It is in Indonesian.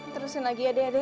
terusin lagi ya deh adek